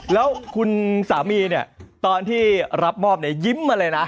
แล้วคุณสามีเนี่ยตอนที่รับมอบเนี่ยยิ้มมาเลยนะ